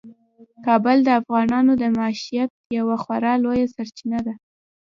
کابل د افغانانو د معیشت یوه خورا لویه سرچینه ده.